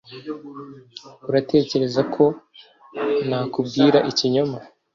uratekereza ko nakubwira ikinyoma?